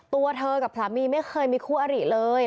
ตัวเธอกับสามีไม่เคยมีคู่อริเลย